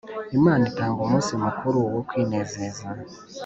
Imana itanga Umunsi mukuru wo kwinezeza